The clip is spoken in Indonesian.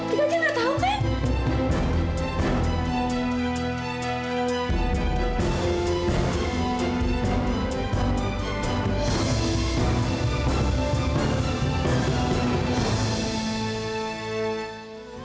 dia aja gak tahu kan